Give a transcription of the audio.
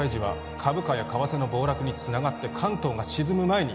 株価や為替の暴落につながって関東が沈む前に